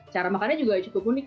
cara makannya juga cukup unik